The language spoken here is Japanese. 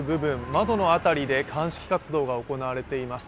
窓の辺りで鑑識活動が行われています。